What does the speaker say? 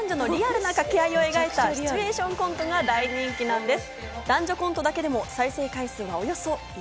リアルな男女の掛け合いを描いたシチュエーションコントが人気なんです。